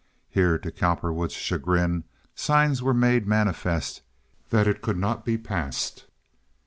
Here, to Cowperwood's chagrin, signs were made manifest that it could not be passed.